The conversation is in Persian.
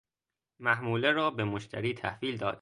محموله را به مشتری تحویل داد